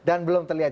dan belum terlihat